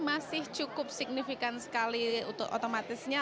masih cukup signifikan sekali untuk otomatisnya